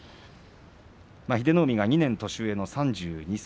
英乃海が２年年上の３２歳。